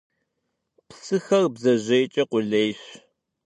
Psıxer bdzejêyç'e khulêyş.